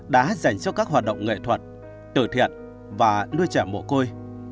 đã hát dành cho các hoạt động nghệ thuật tử thiện và nuôi trẻ mộ côi